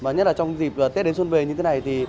nhất là trong dịp tết đến xuân về như thế này